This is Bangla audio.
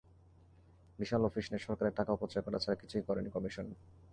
বিশাল অফিস নিয়ে সরকারের টাকা অপচয় করা ছাড়া কিছুই করেনি কমিশন।